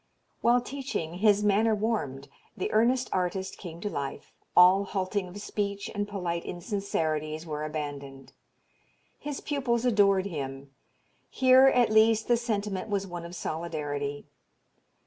While teaching, his manner warmed, the earnest artist came to life, all halting of speech and polite insincerities were abandoned. His pupils adored him. Here at least the sentiment was one of solidarity.